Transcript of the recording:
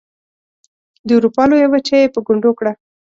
د اروپا لویه وچه یې په ګونډو کړه.